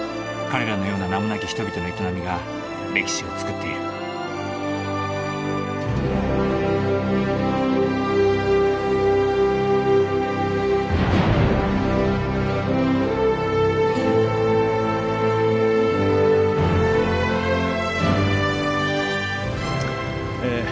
彼らのような名もなき人々の営みが歴史をつくっているえ